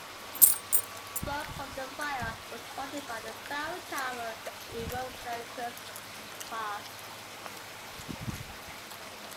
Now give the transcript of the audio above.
Smoke from the fire was spotted by the fire tower in Rome's Dyracuse Park.